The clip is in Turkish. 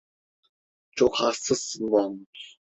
Çok haksızsın Mahmut…